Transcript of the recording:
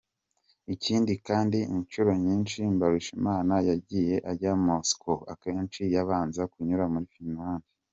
Ikindi kandi inshuro nyishi Mbarushimana yagiye ajya Moscou akenshi yabanza kunyura muri Finland.